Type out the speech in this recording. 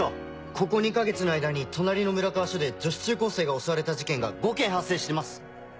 ここ２か月の間に隣の村川署で女子中高生が襲われた事件が５件発生してます。